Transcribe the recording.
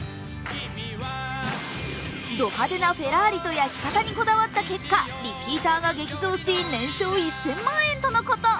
ド派手なフェラーリと焼き方にこだわった結果、リピーターが激増し、年商１０００万円とのこと。